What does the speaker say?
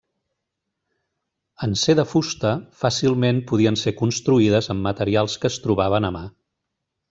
En ser de fusta, fàcilment podien ser construïdes amb materials que es trobaven a mà.